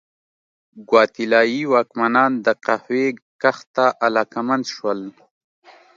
ګواتیلايي واکمنان د قهوې کښت ته علاقمند شول.